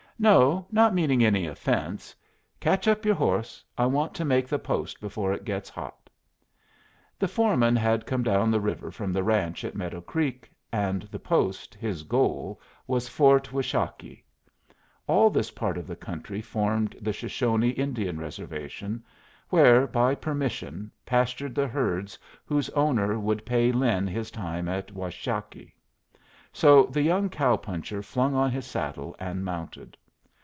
"No not meaning any offence. Catch up your horse. I want to make the post before it gets hot." The foreman had come down the river from the ranch at Meadow Creek, and the post, his goal, was Fort Washakie. All this part of the country formed the Shoshone Indian Reservation, where, by permission, pastured the herds whose owner would pay Lin his time at Washakie. So the young cow puncher flung on his saddle and mounted.